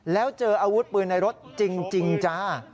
แล้วเจออาวุธปืนในรถจริงจ้า